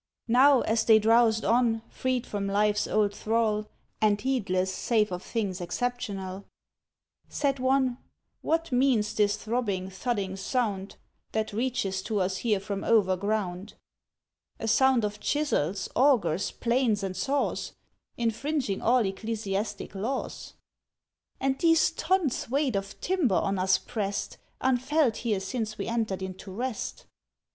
—Now, as they drowsed on, freed from Life's old thrall, And heedless, save of things exceptional, Said one: "What means this throbbing thudding sound That reaches to us here from overground; "A sound of chisels, augers, planes, and saws, Infringing all ecclesiastic laws? "And these tons weight of timber on us pressed, Unfelt here since we entered into rest?